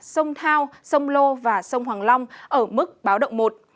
sông thao sông lô và sông hoàng long ở mức báo động một